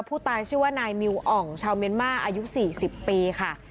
ผู้ตายชื่อว่านายมิวอ่องชาวเมียนมาอายุ๔๐ปีค่ะ